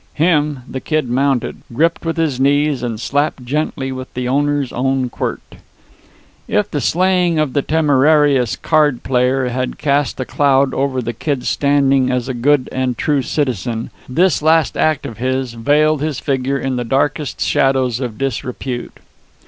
Him the Kid mounted, gripped with his knees, and slapped gently with the owner's own quirt. If the slaying of the temerarious card player had cast a cloud over the Kid's standing as a good and true citizen, this last act of his veiled his figure in the darkest shadows of disrepute.